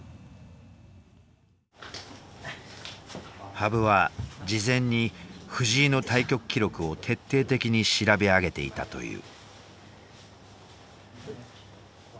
羽生は事前に藤井の対局記録を徹底的に調べ上げていたという。